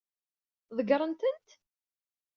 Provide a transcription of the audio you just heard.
Ḍeggṛen-tent?